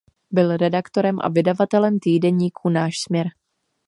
Byl redaktorem a vydavatelem týdeníku "Náš směr".